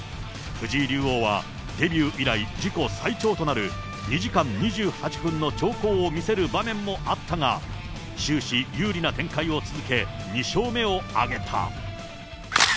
藤井竜王は、デビュー以来、自己最長となる２時間２８分の長考を見せる場面もあったが、終始、有利な展開を続け、２勝目を挙げた。